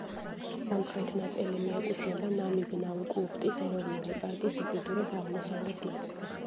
სამხრეთ ნაწილი მიეკუთვნება ნამიბ-ნაუკლუფტის ეროვნული პარკის უკიდურეს აღმოსავლეთ ნაწილს.